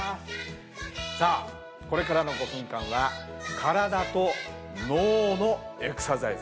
さあこれからの５分間は体と脳のエクササイズ。